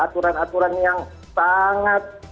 aturan aturan yang sangat